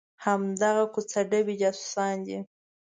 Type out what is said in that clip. همدغه کوڅې ډبي جاسوسان دي.